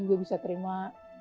saya juga bisa terima